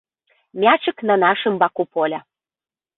Мячык на нашым баку поля.